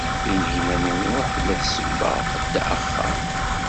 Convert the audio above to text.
Tinhinan u Muḥ tella tsebbeɣ-d axxam.